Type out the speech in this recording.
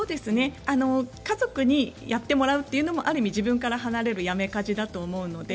家族にやってもらうということも、ある意味自分から離れるやめ家事だと思います。